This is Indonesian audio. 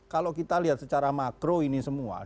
kalau kita lihat secara makro ini semua